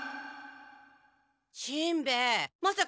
しんべヱまさか